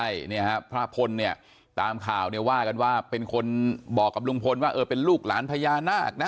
ใช่เนี่ยฮะพระพลเนี่ยตามข่าวเนี่ยว่ากันว่าเป็นคนบอกกับลุงพลว่าเออเป็นลูกหลานพญานาคนะ